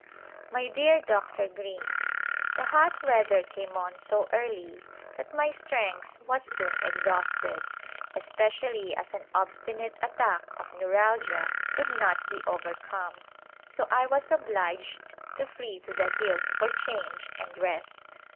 My dear Dr. Greene: The hot weather came on so early that my strength was soon exhausted, especially as an obsti nate attack of neuralgia could not be overcomic, so I was obliged to flee to the hills for change and rest.